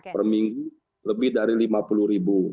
per minggu lebih dari lima puluh ribu